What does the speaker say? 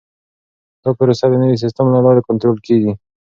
دا پروسه د نوي سیسټم له لارې کنټرول کیږي.